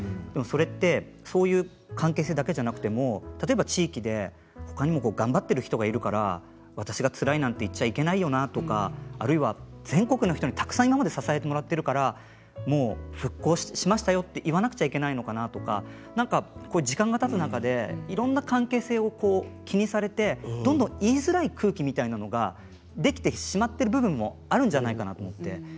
でもそれってそういう関係性だけじゃなくても地域でほかに頑張っている人がいるから、私がつらいなって言っちゃいけないよなとかあるいは全国の人にたくさん支えてもらっているから復興しましたよって言わなくちゃいけないのかなとか時間がたつ中でいろんな関係性を気にされてどんどん言いづらい空気みたいなものができてしまっている部分もあるんじゃないかと思って。